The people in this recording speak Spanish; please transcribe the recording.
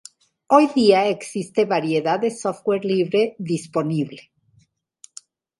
Hoy día existe variedad de software libre disponible.